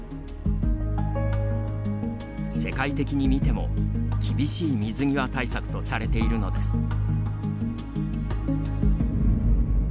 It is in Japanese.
世界的に見ても厳しい水際対策とされているのです。